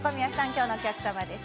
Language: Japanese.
今日のお客様です。